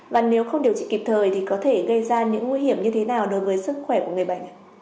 và nếu không điều trị kịp thời thì có thể gây ra những nguy hiểm như thế nào đối với sức khỏe của người bệnh